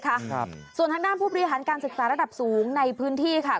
ครับส่วนทางด้านผู้บริหารการศึกษาระดับสูงในพื้นที่ค่ะ